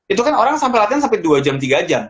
itu kan orang sampai latihan sampai dua jam tiga jam